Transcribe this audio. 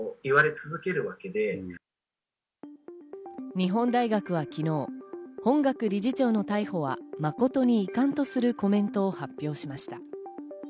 日本大学は昨日、本学理事長の逮捕は誠に遺憾とするコメントを発表しました。